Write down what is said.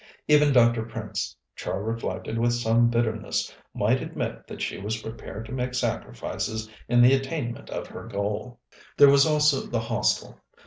Even Dr. Prince, Char reflected with some bitterness, might admit that she was prepared to make sacrifices in the attainment of her goal. There was also the Hostel.